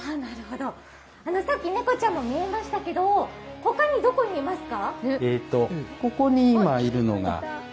さっき猫ちゃんも見えましたけど、ほかにどこにいますか？